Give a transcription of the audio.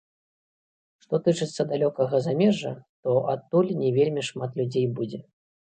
Што тычыцца далёкага замежжа, то адтуль не вельмі шмат людзей будзе.